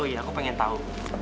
oh ya aku pengen tahu